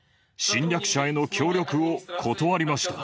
侵略者への協力を断りました。